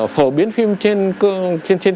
phổ biến phim trên trang trình